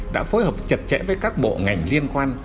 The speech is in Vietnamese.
đã phối hợp chặt chẽ với các bộ ngành liên quan